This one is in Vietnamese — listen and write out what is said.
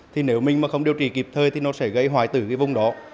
thì nếu mình mà không điều trị kịp thời thì nó sẽ gây hoại tử cái vùng đó